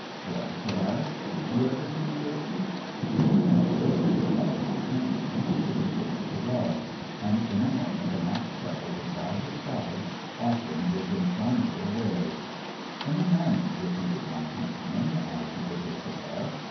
"Well," said I; "Did you ever see the ocean." "In a way!" replied my countryman, producing a cigar; and in a moment a match seller was by his side offering his inflammable wares. "In a manner," repeated my countryman, as he lit his cigar.